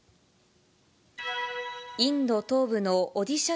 インド東部のオディシャ